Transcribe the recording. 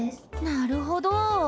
なるほど。